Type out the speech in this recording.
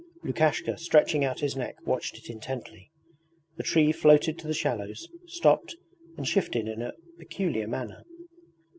Lukashka stretching out his neck watched it intently. The tree floated to the shallows, stopped, and shifted in a peculiar manner.